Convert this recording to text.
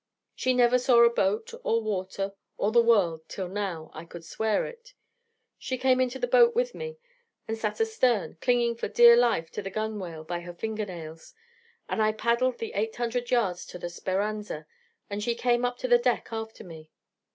She never saw a boat, or water, or the world, till now I could swear it. She came into the boat with me, and sat astern, clinging for dear life to the gunwale by her finger nails, and I paddled the eight hundred yards to the Speranza, and she came up to the deck after me.